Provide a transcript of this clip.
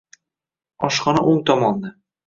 Oshxona o'ng tomonda.